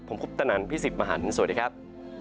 ผมครูปตะนันพี่สิบมหานสวัสดีครับ